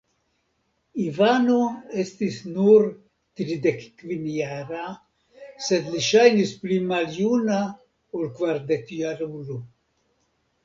Ivano estis nur tridekkvinjara, sed li ŝajnis pli maljuna ol kvardekjarulo.